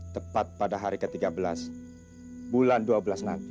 tepat pada hari ke tiga belas bulan dua belas nanti